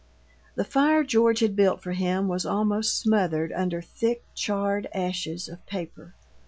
The fire George had built for him was almost smothered under thick, charred ashes of paper.